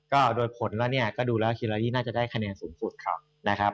ก็โดยผลแล้วเนี่ยก็ดูแล้วฮิลายีน่าจะได้คะแนนสูงสุดนะครับ